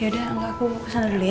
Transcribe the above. ya udah angga aku kesana dulu ya